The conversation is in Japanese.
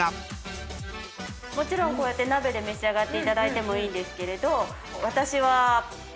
もちろんこうやって鍋で召し上がってもいいんですけど。